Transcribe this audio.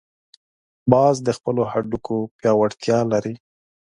باز د خپلو هډوکو پیاوړتیا لري